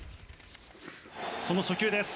その初球です。